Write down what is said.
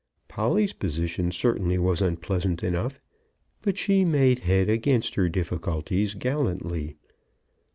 Polly's position certainly was unpleasant enough; but she made head against her difficulties gallantly.